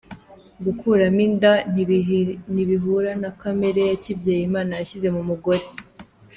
Gukuramo inda ntibihura na kamere ya kibyeyi Imana yashyize mu mugore.